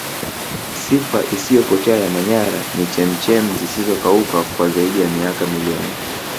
sifa isiyopotea ya manyara ni chemchem zisizokauka kwa zaidi ya miaka milioni